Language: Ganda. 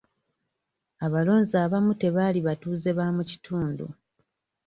Abalonzi abamu tebaali batuuze ba mu kitundu